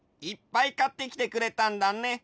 いっぱいかってきてくれたんだね。